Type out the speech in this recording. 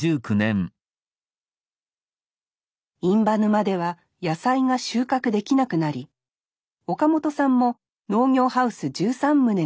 印旛沼では野菜が収穫できなくなり岡本さんも農業ハウス１３棟が全て倒壊。